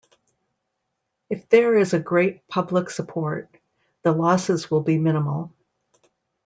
If there is a great public support, the losses will be minimal.